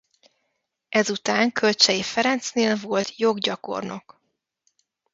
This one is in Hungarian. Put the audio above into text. Ezután Kölcsey Ferencnél volt joggyakornok.